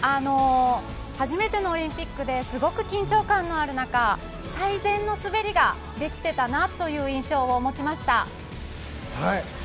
初めてのオリンピックですごく緊張感のある中最善の滑りができていたなという印象を持ちました。